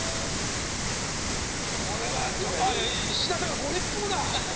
◆これはちょっと、石田さんが、ご立腹だ。